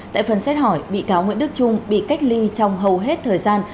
tại phần xét hỏi bị cáo nguyễn đức trung bị cách ly trong hầu hết thời gian